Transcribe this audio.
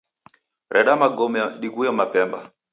Reda magome dighou mapemba.